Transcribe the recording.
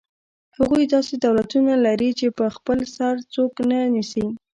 هغوی داسې دولتونه لري چې په خپل سر څوک نه نیسي.